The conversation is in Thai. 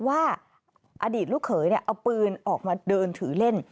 ว่าอดีตลูกเขยเอาปืนออกมาเดินถือเล่น